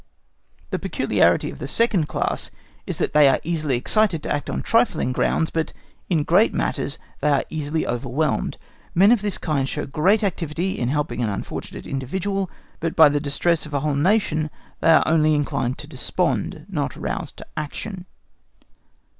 The peculiarity of the second class is that they are easily excited to act on trifling grounds, but in great matters they are easily overwhelmed. Men of this kind show great activity in helping an unfortunate individual, but by the distress of a whole Nation they are only inclined to despond, not roused to action.